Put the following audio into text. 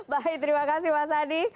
baik terima kasih mas adi